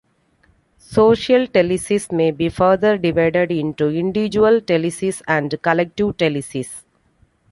Social telesis may be further divided into individual telesis and collective telesis.